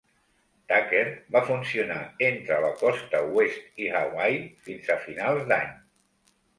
"Tucker" va funcionar entre la costa oest i Hawaii fins a finals d'any.